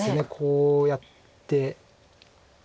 こうやって。